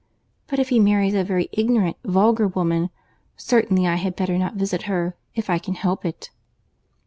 But if he marries a very ignorant, vulgar woman, certainly I had better not visit her, if I can help it."